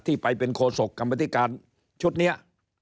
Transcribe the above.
ที่ไปเป็นโฆษกรรมธิการชุดเนี้ย